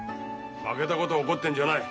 負けたことを怒ってんじゃない。